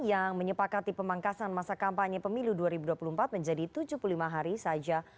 yang menyepakati pemangkasan masa kampanye pemilu dua ribu dua puluh empat menjadi tujuh puluh lima hari saja